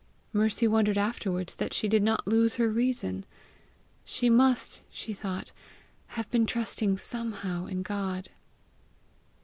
Mercy wondered afterwards that she did not lose her reason. She must, she thought, have been trusting somehow in God.